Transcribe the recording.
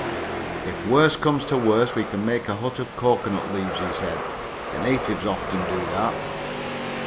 "If worst comes to worst we can make a hut of cocoanut leaves," he said. "The natives often do that."